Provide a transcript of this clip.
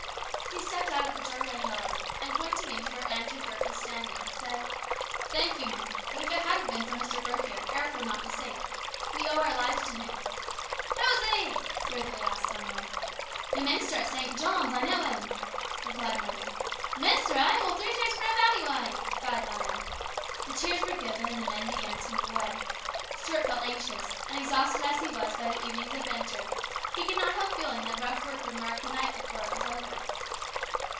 He stepped out of the doorway, however, and, pointing in to where Andrew Burke was standing, said, " Thank you, men. But if it hadn't been for Mr. Burke here, Eric would not be safe. We owe our lives to him." " Who's he ?" rudely asked some one. " The new minister at St. John's. I knows him," replied another. " A minister, eh ? Well, three cheers for him, anyway !" cried another. The cheers were given, and the men began to move away. Stuart felt anxious ; and exhausted as he was by the evening's adventure, he could not help feeling that rough work would mark the night before it was over.